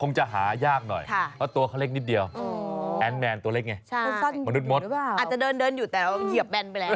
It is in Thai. จะหายากหน่อยเพราะตัวเขาเล็กนิดเดียวแอนแมนตัวเล็กไงมนุษย์อาจจะเดินเดินอยู่แต่เหยียบแบนไปแล้ว